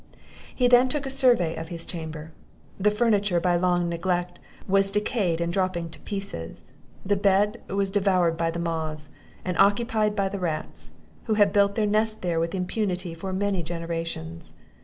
He then took a survey of his chamber; the furniture, by long neglect, was decayed and dropping to pieces; the bed was devoured by the moths, and occupied by the rats, who had built their nests there with impunity for many generations.